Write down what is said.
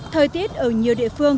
thời tiết ở nhiều địa phương